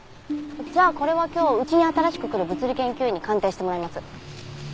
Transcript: じゃあこれは今日うちに新しく来る物理研究員に鑑定してもらいます。